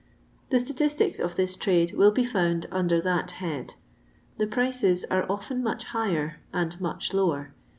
The statistics of this trade will be found under that head ; the prices are ofttm much higher and much lower.